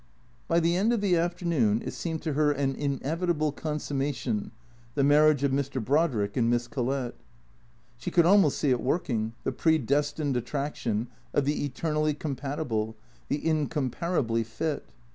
By the end of the afternoon it seemed to her an inevitable consummation, the marriage of Mr. Brodrick and Miss Collett. She could almost see it working, the predestined attraction of the eternally compatible, the incomparably fit.